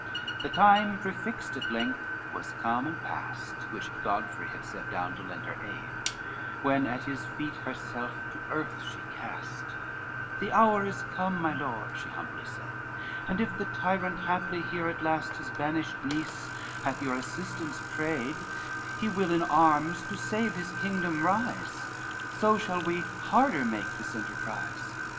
LXVII The time prefixed at length was come and past, Which Godfrey had set down to lend her aid, When at his feet herself to earth she cast, "The hour is come, my Lord," she humbly said, "And if the tyrant haply hear at last, His banished niece hath your assistance prayed, He will in arms to save his kingdom rise, So shall we harder make this enterprise.